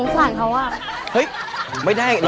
ไปเจอกัน